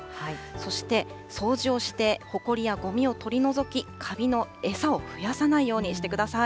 そして掃除をして、ほこりやごみを取り除き、かびの餌を増やさないようにしてください。